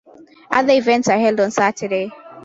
Other events are held on Saturday.